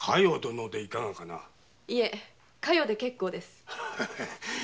加代で結構です。